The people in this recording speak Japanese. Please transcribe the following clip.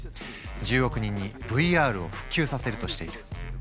１０億人にＶＲを普及させるとしている。